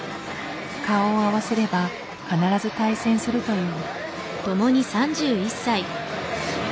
顔を合わせれば必ず対戦するという。